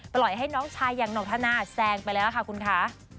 ปล่อยให้น้องชายอย่างหนกธนาแซงไปแล้วค่ะคุณคะ